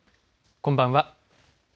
こんばんは。